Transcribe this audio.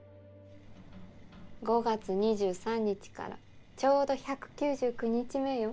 ５月２３日からちょうど１９９日目よ。